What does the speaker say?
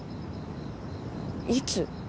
いつ。